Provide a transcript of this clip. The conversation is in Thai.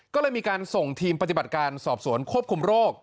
ก็เลยมีการส่งทีมปฏิบัติการสอบสวนควบคุมโรค